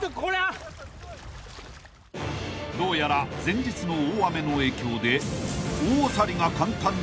［どうやら前日の大雨の影響で］